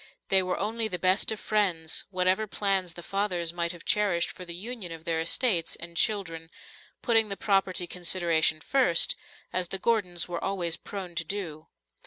They were only the best of friends, whatever plans the fathers might have cherished for the union of their estates and children, putting the property consideration first, as the Gordons were always prone to do.